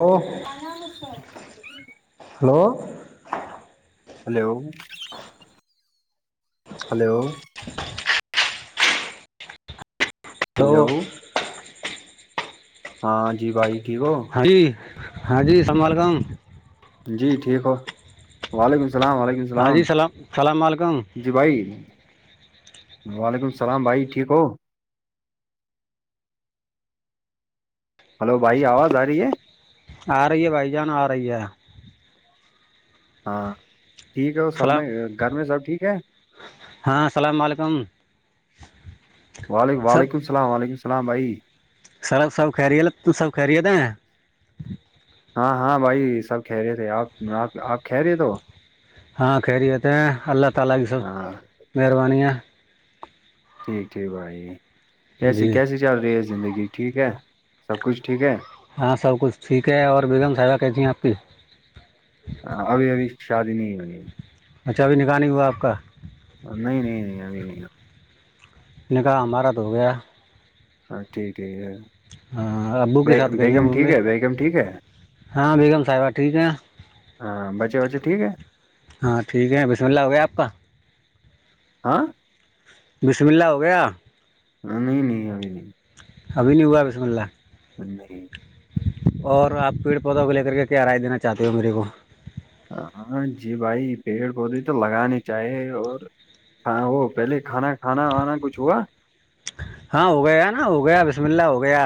hello الام س [unintelligible] [unintelligible] hello hello [inaudible] [inaudible] hello hello hello ہاں جی با جی ٹھیک ہو ہاں جی ہاں جی سلام و علیکم جی ٹھیک ہو وعلیکم السلام و علیکم ہاں جی اللام السلام علیکم جی بھائی وعلیکم السلام بھائی ٹھیک ہو ہلو بھائی آواز آ رہی ہے آ رہی ہے بھائی جان آ رہی ہے ہاں ٹھیک ہے وہ سب سلام میں گھر میں سب ٹھیک ہے ہاں السلام علیکم وعلیک وعلیکم السلام علیکم السلام بھائی سرب سب خریے ل تو سب خریے د ہیں ہاں ہاں بھائی سب کہہ رہے تھے آپ آپ آپ کہ رہے تو ہاں خیری ہوتے ہیں اللہ تعالی کی سب ہاں مہربانی ہے ٹھیک ٹھیک بھائی کیسی جی کیسی چل رہی ہے زندگی ٹھیک ہے سب کچھ ٹھیک ہے ہاں سب کچھ ٹھیک ہے اور بیگم سوا کیتی ہیں آپ کی ہاں ابھی ابھی شادی نہیں ہونی اچھابھی نکانی ہوا آپ کا نہیں نہیں نہیں ا نکاح مارت ہو گیا ہاں ٹھ ٹھ ہے [unintelligible] ہاں ابو کے بے- سات کہی ہیں بیگم ٹھیک بولے ہے بیگم ٹھیک ہے ہاں بیگم صاحبہ ٹھیک ہیں ہاں بچے وچے ٹھیک ہے ہاں ٹھیک ہے بسم اللہ ہو گیا آپ کا ہاں بسم اللہ ہو گیا نہیں نہیں ابھی نہیں ابھی نہیں ہوا بسم اللہ ج [unintelligible] اور آپ پیڑ پودوں کو لے کر کے کیا راائے دین چاہتے ہو میرے کو ہاں جی بھائی پیڑ پودے تو لگے چاہیے اور ہاں وہ پہلے کھانا کھانا وانا کچھ ہوا ہاں ہو گیا نا ہو گیا بسم اللہ ہو گیا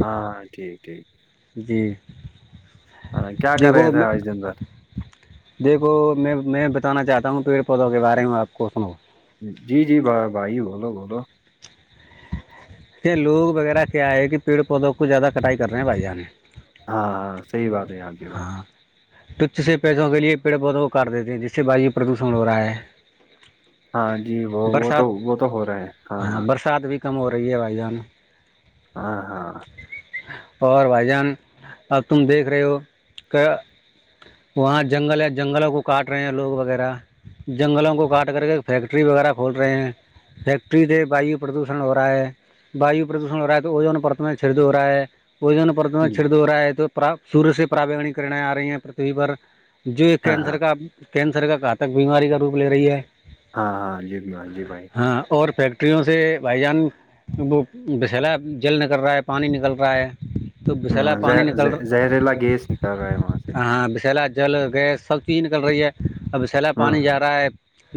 ہاں ٹھیک ٹھیک جی ہاں کیا کر رہے دیھو تھے میں آج دن بھر دیکھو میں میں بتانا چاہتا ہوں پیڑ پودوں کے بارے میں آپ کو سنو جی جی بھائی بولو بولو یہ لوگ وغیرہ کیا ہے کہ پیڑ پودوں کو زیادہ کٹائی کر رہے ہیں بھائی جانے ہاں ہاں صحی بات ہے آاںجی بھائی ہاں تچھ سے پیسوں کے لیے پیڑ پودوں کرار دیتے ہیں جس سے باائی پردوشن ہو رہا ہے ہاں جی وہ وہ تو برسات وہ تو ہو رہا ہے ہاں ہاں برسات بھی کم ہو رہی ہے بھائی جان ہاں ہاں اور بھائی جان اب تم دیکھ رہے ہو کیا وہاں جنگل ہے جنگلوں کو کاٹ رہے ہیں لوگ وغیرہ جنگلوں کو کاٹ کر کے فیکٹری وغیرہ کھول رہے ہیں فیکٹری سے وایو پردوشن ہو رہا ہے واو پردوشن ہو رہا ہے تو وہ جو پرت میں چڑد ہو رہا ہے وہجون پرت جی چڑد ہو رہا ہے تو سور سے پرا کرنے آ رہی ہیں پرتھوی پر جو ایک ہاں کینسر ہاں کا کینسر کا گھاتک بیماری کا روپ لے رہی ہے ہاں ہاں جی بھائی، جی بھائی ہاں اور فیکٹر ٹریوں سے بھائی جان وہ بسھیلا جل نکل رہا ہے پانی نکل رہا ہے تو بسلا ہاں پانی زہ- نکل زہ- رہا زہریلا گیس نکل رہا ہے وہاں سے ہاں بسلا جل گیس سب چیز نکل رہی ہے اب سیلا ہاں پانی جا رہا ہے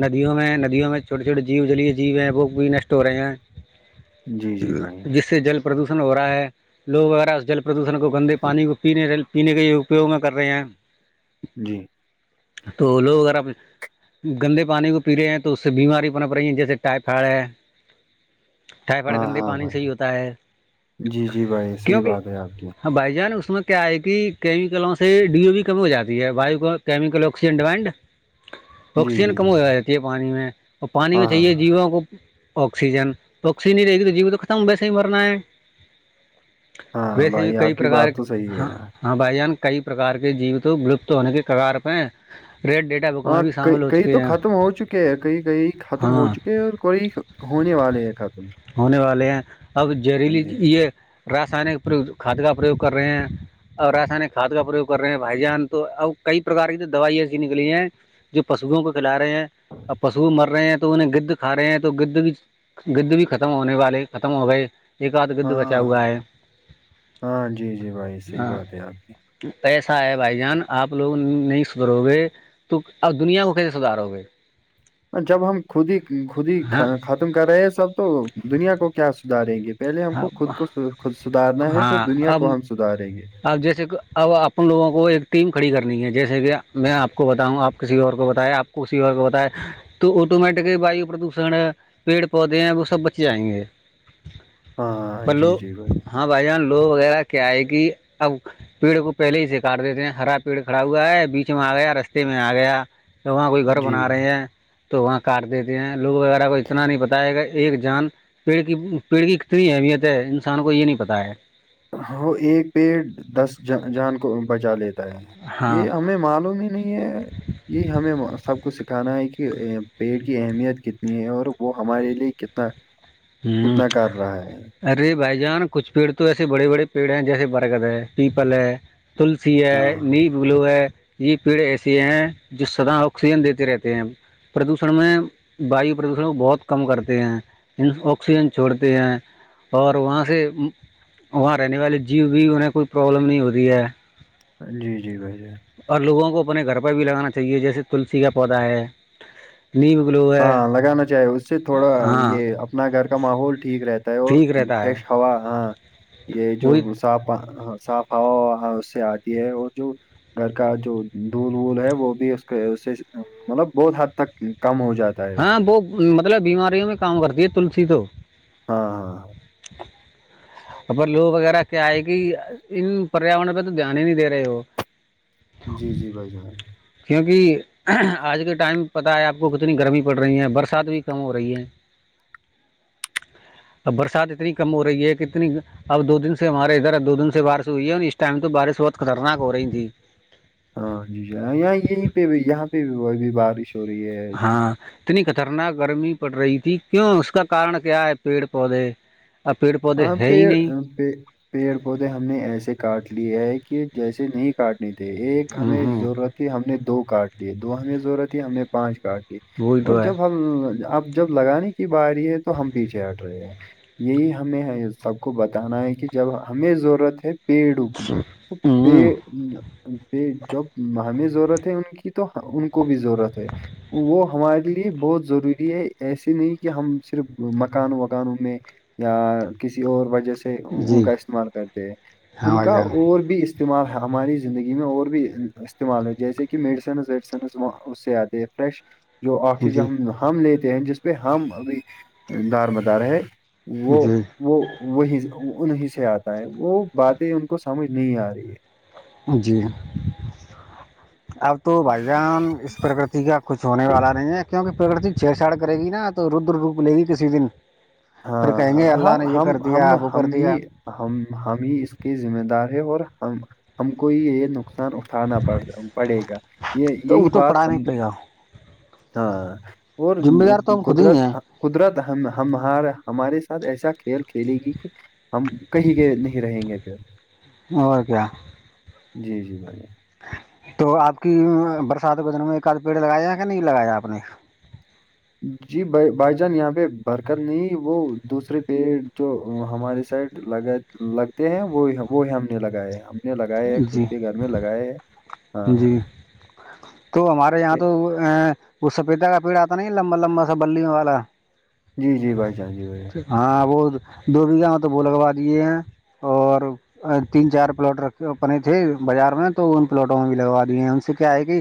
ندیوں میں ندیوں میں چھوٹے چھوٹے جیو جلی جیو ہیں وہ بھی نشٹ ہو رہے ہیں جی جی بھائی جس سے جل پردوشن ہو رہا ہے لوگ وغیرہ اس جل پردوشن کو گندے پانی کوینے پینے کے اپیوگ میں کر رہے ہیں جی تو لوگ وغیرہ گندے پانی کو پی رہے ہیں تو اس سے بیماری بن پڑی ہے جیسے ٹائیفائڈ ہے چائے پٹ ہاں گندے ہاں پانی بھائی سے ہی ہوتا ہے جی جی بھائی صحیح کیونکہ بات ہے آپ کی ہاں بھائی جان اس میں کیا ہے کہ کیمکلوں سے ڈیو بھی کمی ہو جاتی ہےو کیمل آکسی ڈیمڈ جی جی آکسیجن کم جی ہو ج رہاتی ہے پانی میں اور پانی میں ہاں ہاں چاہیے جیواوں کو آکسیجن توکسیج نہیں رہے گی تو جی تو ختم بیسے ہی مرنا ہے ہاں ویسے بھی بھائی کئی آپ کی بات تو صحیح پرکارہ ہے ہاں بھائی جان کئی پرکار کے جیوتوں ولپت ہونے کے کگار پہ ریڈ ڈیٹ ہاں کئی تو ختم ہو چکے ہیں کئی کئی ختم ہو ہاں چکے ہیں اور کوئی ہونے والے ہیں خاتم ہونے والے ہیں اب جہریلی یہ رسائنک کھاد کا پرریوگ کر رہے ہیں اور آسانی کھاد کا پرریوگ کر رہے ہیں بھائی جان تو ا کئی پرکار کی تو دوائ ایسی نکلی ہیں جو پشوؤں کو کھلا رہے ہیں اور پشو مر رہے ہیں تو انہیں گدھ کا رہے ہیں تو گد بھی گد بھی ختم ہونے والے ختم ہو گئے ایک آدھ گدھ بچا ہوا ہاں ہے ہاں جی جی بھائی صحیح ہاں بات ہے آپ کی [unintelligible] کیسا ہے بھائی جان آپ لوگ نہیں سدھرو گے تو اب دنیا کو کیسے سدارو گے جب ہم خود ہی خود ہی ہاں ختم کر رہے ہیں سب تو دنیا کو کیا سدھاریں گے پہلے ہم ہاں کو خود کو خود سدارنا ہے پھر ہاں دنیا کو ہم سدھاریں گے اب جیسے کہ اب اپن لوگوں کو ایک ٹیم کھڑی کرنی ہے جیسے کہ میں آپ کو بتاؤں آپ کسی اور کو بتائائے آپ [unintelligible] کسی ہو ہوتا ہے [unintelligible] تو آٹومیٹکلی وایو پردوشن پیڑ پودے ہیں وہ سب بچے جائیں گے ہاں جی پلو جی بھائی ہاں بھائی جان لو وغیرہ کیا آئے گی اب پیڑ کو پہلے ہی سے کاار دیتے ہیں ہرا پیڑ کھڑا ہوا ہے بیچ میں آ گیا رستے میں آ گیا تو وہاں کوئی گھر بنا جی رہے ہیں تو وہاں کاٹ دیتے ہیں لوگ وغیرہ کو اتنا نہیں پتا ہے گا ایک جان پیڑ کی پیڑ کی اتنی اہمیت ہے انسان کو یہ نہیں پتہ ہے وہ ایک پیڑ دس جان کو بجا لیتا ہاں یہ ہمیں معلوم ہی نہیں ہے یہ ہمیں سب کو سکھانا ہے کہ پیٹ کی اہمیت کتنی ہے اور وہ ہمارے لیے ک ہ [unintelligible] ہوں ارے بھائی جان کچھ پیڑ تو ایسے بڑے بڑے پیڑ ہے جیسے برگد ہے پیپل ہے تلسیی ہاں ن بلو [unintelligible] یہ پیڑ ایسیے ہیں جو سدا آکسیجن دیتے رہتے ہیں پردوشن میں وایو پردوشن کو بہت کم کرتے ہیں [unintelligible] آکسیجن چھوڑتے ہیں اور وہاں سے وہاں رہنے والے جیو بھی انہیں کوئی پرابلم نہیں ہوتی ہے جی جی بھائی جائی [unintelligible] [inaudible] اور لوگوں کو اپنے گھر پہ بھی لگانا چاہیے جیسے تلسی کا پودا ہے نہیں بلو [unintelligible] ہاں لگانا چاہیے اس سے تھوڑا یہ اپنا گھر کا ماحول ٹھیک رہتا ہے اور فریش ہوا ہاں ج [unintelligible] یہ جو صاف صاف ہوا اس سے آتی ہے اور جو گھر کا جو دول وول ہے وہ بھی اس اس سے مطلب بہت حد تک کم ہو جاتا ہے اس سے ہاں وہ مطلب بیماریوں میں کام کرتی ہے تلسی تو ہاں ہاں [inaudible] اور لوگ وغیرہ کیا ہے کہ ان پریاورن پہ تو دھیان ہی نہیں دے رہے ہو جی جی بھائی جان کیوںکہ آج کے ٹائم پتا ہے آپ کو کتنی گرمی پڑ رہی ہے برسات بھی کم ہو رہی ہے برسات اتنی کم ہو رہی ہے کہ اتنی اب دو دن سے ہمارے ادھر دو دن سے بارش ہوئی ہے اور اس ٹائم تو بارش بہت خطرناک ہو رہی تھی ہاں جی جیاں یہاں یہیں پہ بھی یہاں پہ بارش ہو رہی ہے ہاں اتنی خطرناک گرمی پڑ رہی تھی کیوں اس کا کارن کیا ہے پیڑ پودے اور پیڑ پودے ہے ہی نہیں پہ [unintelligible] پیڑ پودے ہم نے ایسے کاٹ لیے ہے کہ جیسے نہیں کاٹنے تھے ایک ہمیں ہوں ضرورت ہم نے دو کارٹ لیے دو ہمیں ضرورت ہے ہم نے پانچ کاارٹ لی وہی اور تو ہے جب ہم اب جب لگانے کی ب رہی ہے تو ہم پیچھے ہٹ رہے ہیں یہی [unintelligible] ہمیں سب کو بتانا ہے کہ جب ہمیں ضرورت ہے پیڑوں کی تو ہوں پ [unintelligible] جب ہمیں ضرورت ہے ان کی تو ان کو بھی ضرورت ہے وہ ہمارے لیے بہت ضروری ہے ایسے نہیں کہ ہم صرف مکان وغانوں میں یا کسی اور وجہ سے ان جی کا استعمال کرتے ہیں ہاں ان بھائی کا جان اور بھی استعمال ہماری زندگی میں اور بھی استعمال ہے جیسے کہ میڈیسنز ویڈیسنزاں اس سےیادے فریش جو آ چیزیں جی ہم ہم لیتے ہیں جس پہ ہم ابھی دار بتاارے وہ جی وہ وہی انیں سے آتا ہے وہ باتیں ان کو سمجھ نہیں آ رہی ہے جی اب تو بھائی جان اس پرکتی کا کچھ ہونے والا نہیں ہے کیونکہ گر چھیڑ چاڑ کرے گی نا تو ردر رک لے گی کسی دن پھر کہیں گے ہاں ہاں اللہ نے یہ ہم کر دیا ہم ہم اب وہ کر ہم دیا ہی ہم ہم ہی اس کے ذمہ دار ہے اور ہم ہم کو یہ نقصان اٹھانا پڑ پڑے گا یہ تو وہ یہی تو بات پڑھا نہیں ہم پڑے گا ہاں اور ذمہ دار تو ہم خود ہی قدرت ہیں قدرت ہم ہمار ہمارے ساتھ ایسا کھیل کھیلے گی کہ ہم کہیں کے نہیں رہیں گے پ اور کیا جی جی بھیا تو آپ کی برسات کے دن میں کد پیڑ لگایا کہ نہیں لگایا آپ نے جی ب بھائی جان یہاں پہ برکت نہیں وہ دوسرے پیڑ جو ہمارے سائڈ لگا لگتے ہیں وہ وہ ہم نے لگائے ہم نے لگائے خود جی کے گھر میں لگائے ہاں جی تو ہمارے یہاں تو وہ سپیتا کا پیڑ آتا نہیں لمبا لمبا سب بلوں والا جی جی بھائی جان جی بھائی جان ہاں وہ دو بیھہ تو وہ لگوا دیے ہیں اور تین چار پلاٹکھ بنے تھے بازار میں تو ان پلاٹ لگوا دی ہیں ان سے کیا ہے کہ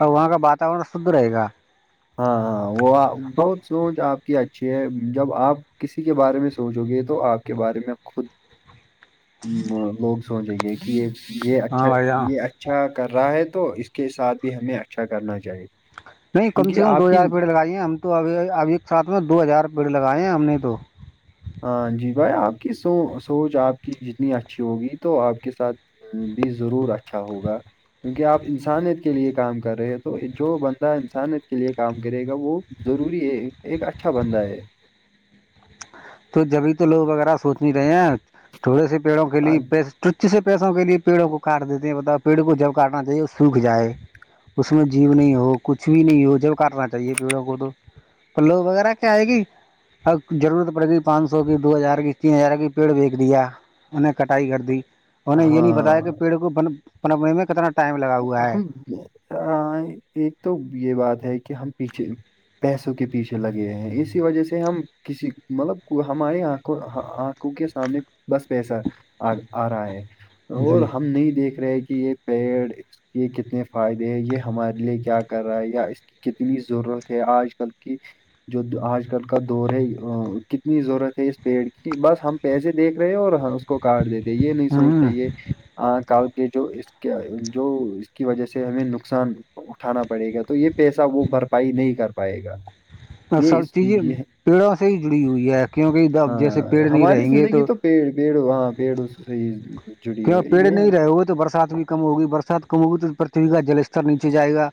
وہاں کا وااتاورن شھ رہے گا ہاں ہاں وہ تو بہت سوچ آپ کی اچھی ہے جب آپ کسی کے بارے میں سوچو گے تو آپ کے بارے میں خود لوگ سوچیں گے کہ یہ یہ ہاں اچھا بھائی جان یہ ا اچھا کر رہا ہے تو اس کے ساتھ بھی ہمیں اچھا کرنا چاہیے نہیں کم کیونکہ سے کم آپ دو کی ہزار پیڑ لگائی ہیں ہم تو ابھی ابھی ایک ساتھ میں دو ہزار پیڑ لگائے ہیں ہم نے تو ہاں جی بھائی آپ کی سو سوچ آپ کی جتنی اچھی ہوگی تو آپ کے ساتھ بھی ضرور اچھا ہوگا کیونکہ آپ انسانیت کے لیے کام کر رہے ہیں تو جو بندہ انسانیت کے لیے کام کرے گا وہ ضروری ہے ایک اچھا بندہ ہے تو جبھی تو لوگ وغیرہ سوچ نہیں رہے ہیں تھوڑے سے پیڑوں کے ہاں لیے پس تچ سے پیسوں کے لیے پیڑوں کو کاٹ دیتے ہیں بتا پیڑوں کو جب کاٹنا چاہیے وہ سوکھ جائے اس میں جیو نہیں ہو کچھ بھی نہیں ہو جب کرنا چاہیے پیڑوں کو تو پلو وغیرہ کیا آئے گی ا جضرورت پڑ گئی پانچ سو کی دو ہزار کی تین ہزار کی پیڑ بییکچ دیا انہیں کٹائی کر دی انہیں یہ نہیں بتایا کہ ہاں پیڑ کو بنپنے میں کتنا ٹائم لگا ہوا ہے ہم ایک تو یہ بات ہے کہ ہم پیچھے پیسوں کے پیچھے لگے ہیں اسی وجہ سے ہم کسی مطلب ہماری آنکھوں آنکھوں کے سامنے بس پیسہ آ آ رہا ہے اور جی ہم نہیں دیکھ رہے کہ یہ پیڑ یہ کتنے فائدے ہے یہ ہمارے لیے کیا کر رہا ہے یا اس کتنی ضرورت ہے آج کل کی جو آج کل کا دور ہے کتنی ضرورت ہے اس پیڑ کی بس ہم پیسے دیکھ رہے ہیں اور اس کو کاٹ دیتے یہ نہیں سوچتے ہوں یہ کال کے جو اس جو اس کی وجہ سے ہمیں نقصان اٹھانا پڑے گا تو یہ پیسہ وہ بھرپائی نہیں کر پائے گا یہ سب اس چیزیں یہ پیڑوں سے ہی جڑی ہوئی ہے کیونکہ جب جیسے ہاں پیڑ نہیں ہماری رہیں گے زندگی تو پیڑ پیڑ ہاں پیڑ اس صحیح کی پیڑ نہیں رہے ہو گئے تو برسات بھی کم ہوگی برسات کم ہوگی تو پ پرتویھ کا جلستتر نیچے جائے گا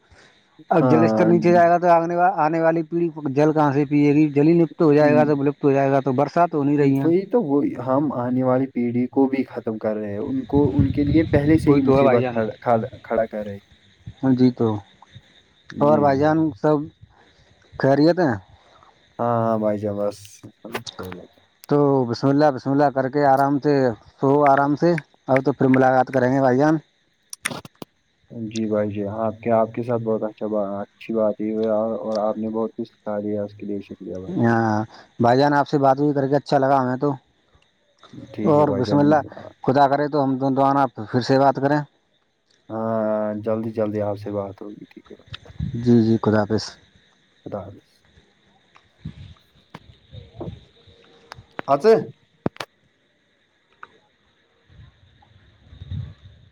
اب جلستتر ہاں نیچے جائے گا تو آگنے آنے والی پیڑھیی جل کہاں سے ا ی جلی لپت ہو جائے گا جب لپت ہو جائے گ تو برسات ہو نہیں رہی ہے وہی تو وہ ہم آنے والی پیڑھی کو بھی ختم کر رہے ہیں ان کو ان کے لیے پہلے سے ہی وہی تو ہے بھائی مصیبتھ جان کھڑا کرے جی تو جی اور بھائی جی جان خریے تھا ہیں ہاں ہاں بھ جا بس ک ل کیا تو بسلہ بسملہ کر کے آرام سے سو آرام سے اور تو پھر ملاقات کریں گے بھائی جان [inaudible] جی بھائی جی آپ کے آپ کے ساتھ بہت اچھا اچھی بات ہو اور آپ نے بہت کچھ آاد آس کے دییش ہاں بھائی جان آپ سے بات بھی کر کے اچھا لگا ہمیں تو ٹھیک ہے اور بھائی بسم جان اللہ خدا کرے تو ہم دون دوبارہ آنا پھر سے بات کریں ہاں جلدی جلدی آپ سے بات ہوگی ٹھیک ہے بھائی جی جی خدا حافظ خدا حافظ آ بی